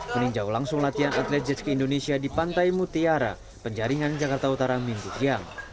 meninjau langsung latihan atlet jetski indonesia di pantai mutiara penjaringan jakarta utara minggu siang